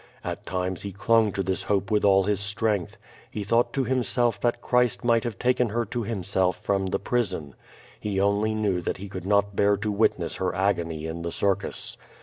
At times he clung to this hope with all his strength. He thought to himself that Christ might have taken her to Him self from the prison. He only knew that lie could not bear to witness her agony in the circus.